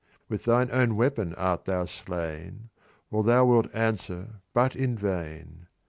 With thine own weapon art thou slain, Or thou wilt answer but in vain.